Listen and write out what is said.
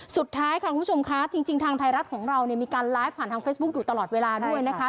สุดท้ายค่ะคุณผู้ชมคะจริงทางไทยรัฐของเราเนี่ยมีการไลฟ์ผ่านทางเฟซบุ๊คอยู่ตลอดเวลาด้วยนะคะ